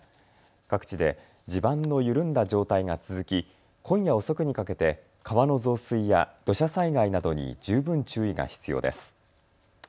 各地で地盤の緩んだ状態が続き今夜遅くにかけて川の増水や土砂災害などに十分注意が必要です。